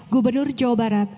gubernur jawa barat